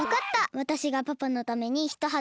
わたしがパパのためにひとはだぬぎましょう。